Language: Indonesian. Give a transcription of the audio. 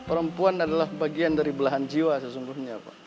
perempuan adalah bagian dari belahan jiwa sesungguhnya pak